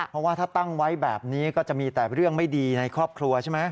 เพราะว่าถ้าตั้งไว้แบบนี้ก็จะมีแต่เรื่องไม่ดีในครอบครัวใช่ไหม